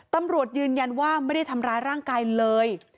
ตำรวจยืนยันว่าไม่ได้ทำร้ายร่างกายเลย